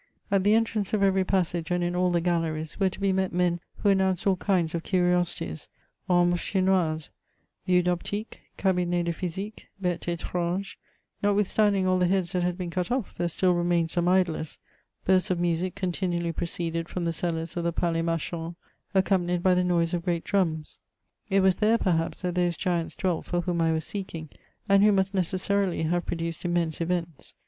At the entrance of every pas sage, and in all the galleries, were to be met men who an nounced all kinds of curiosities. Ombres chinoisesy vues d'op tique, cabinets de pht/sique, bStes etranges ; notwithstanding all the heads that had been cut off, there still remained some idlers : bursts of music continually proceeded from the cellars of the Palais Marchandy accompanied by the noise of great drums; it was there, perhaps, that those giants dwelt for whom I was seeking, and who must necessarily have produced immense events.